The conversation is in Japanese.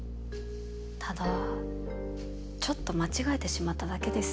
ただちょっと間違えてしまっただけです。